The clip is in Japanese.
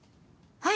はい。